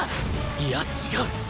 いや違う。